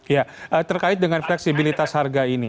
ya terkait dengan fleksibilitas harga ini